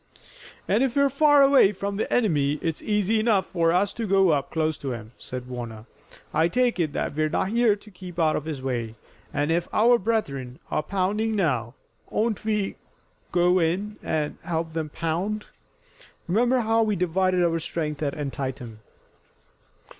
"And if we're far away from the enemy it's easy enough for us to go up close to him," said Warner. "I take it that we're not here to keep out of his way, and, if our brethren are pounding now, oughtn't we to go in and help them pound? Remember how we divided our strength at Antietam."